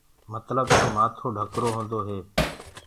متلب تو مآٿو ڍڪرو هوندو هي۔